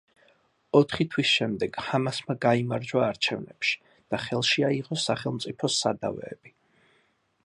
ოთხი თვის შემდეგ ჰამასმა გაიმარჯვა არჩევნებში და ხელში აიღო სახელმწიფოს სადავეები.